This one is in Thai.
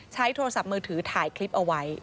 ใช้โทรศัพท์มือถือถ่ายคลิปเอาไว้